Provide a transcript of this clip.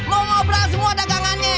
mau ngobrol semua dagangannya